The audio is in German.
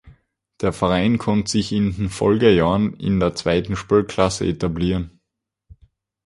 Der Verein konnte sich in den Folgejahren in der zweiten Spielklasse etablieren.